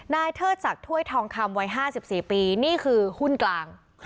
เทิดศักดิ์ถ้วยทองคำวัย๕๔ปีนี่คือหุ้นกลาง